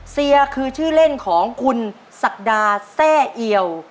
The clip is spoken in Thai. เซียคือชื่อเล่นของคุณศักดาแซ่เอียว